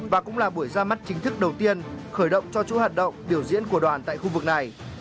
và cũng là buổi ra mắt chính thức đầu tiên khởi động cho chủ hoạt động biểu diễn của đoàn tại khu vực này